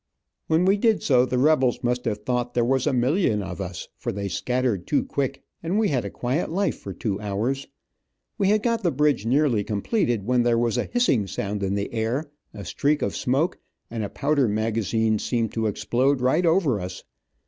When we did so, the rebels must have thought there was a million of us, for they scattered too quick, and we had a quiet life for two hours. We had got the bridge nearly completed, when there was a hissing sound in the air, a streak of smoke, and a powder magazine seemed to explode right over us.